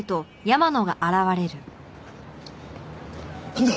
なんだ！